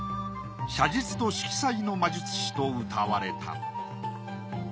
写実と色彩の魔術師とうたわれた。